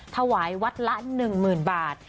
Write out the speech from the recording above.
ถวายวัดละ๑๐๐๐บาท